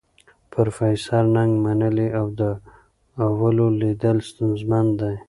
پروفیسور نګ منلې، د اولو لیدل ستونزمن دي.